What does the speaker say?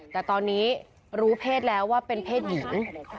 แต่ตอนนี้รู้เพศแล้วว่าเป็นเพศหญิง